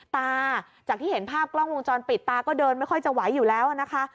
ตาจากที่เห็นภาพกล้องวงจรปิดตาก็เดินไม่ค่อยจะไหวอยู่แล้วนะคะ